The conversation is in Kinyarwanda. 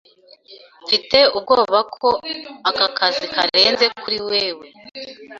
Mfite ubwoba ko aka kazi karenze kuri wewe.